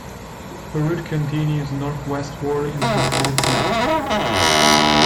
The route continues northwestward into Colts Neck.